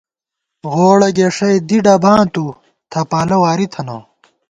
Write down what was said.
غوڑہ گېݭئ دی ڈباں تُو ، تھپالہ واری تھنہ